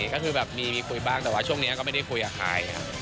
ก็คือแบบมีคุยบ้างแต่ว่าช่วงนี้ก็ไม่ได้คุยกับใครครับ